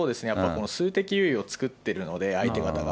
この数的優位を作ってるので、相手方が。